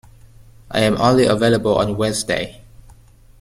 I am only available on Wednesday.